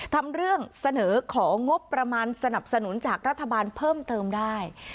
ทำเรื่องเสนอของงบประมาณสนับสนุนจากรัฐบาลเพิ่มเติมได้